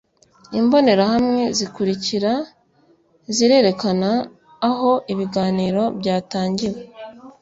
imbonerahamwe zikurikira zirerekana aho ibiganiro byatangiwe